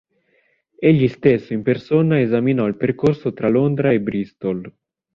Egli stesso in persona esaminò il percorso tra Londra e Bristol.